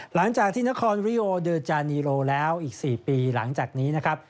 หลังจากที่นครริโอเดอร์จานีโรแล้วอีก๔ปีหลังจากนี้นะครับ